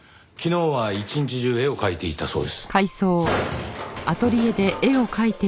昨日は一日中絵を描いていたそうです。